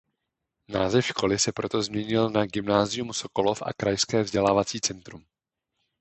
Název školy se proto změnil na "Gymnázium Sokolov a Krajské vzdělávací centrum".